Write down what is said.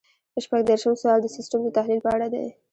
شپږ دېرشم سوال د سیسټم د تحلیل په اړه دی.